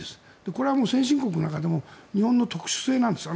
これは先進国の中でも日本の特殊性なんですよ。